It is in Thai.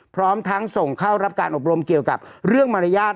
พร้อมทั้งส่งเข้ารับการอบรมเกี่ยวกับเรื่องมารยาท